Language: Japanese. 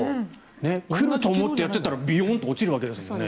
来ると思ってやってたらビヨーンと落ちるわけですよね。